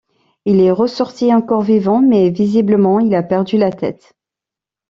Il est ressorti encore vivant, mais visiblement il a perdu la tête.